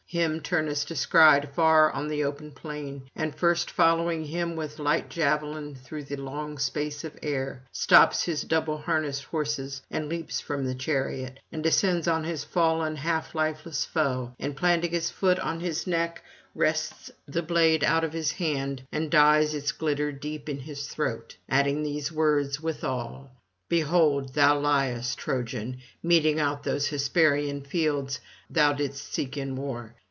Him Turnus descried far on the open plain, and first following him with light javelin through long space of air, stops his double harnessed horses and leaps from the chariot, and descends on his fallen half lifeless foe, and, planting his foot on his neck, wrests the blade out of his hand and dyes its glitter deep in his throat, adding these words withal: 'Behold, thou liest, Trojan, meting out those Hesperian fields thou didst seek in war.